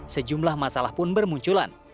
sejumlah masalah pun bermunculan